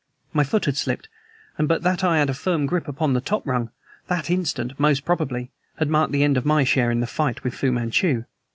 My foot had slipped, and but that I had a firm grip upon the top rung, that instant, most probably, had marked the end of my share in the fight with Fu Manchu.